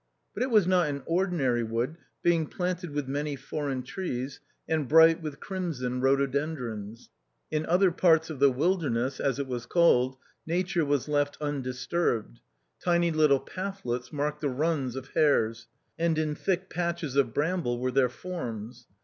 But it was not an ordinary wood, being planted with many foreign trees, and bright with crimson rhodo dendrons. In other parts of the "wilderness," as it was called, nature was left undisturbed ; tiny little pathlets marked the " runs " of hares, and in thick patches of bramble were their "forms."